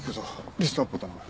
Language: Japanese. リストアップを頼む。